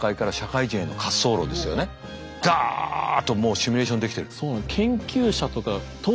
ダッともうシミュレーションできてる。